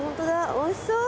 おいしそう！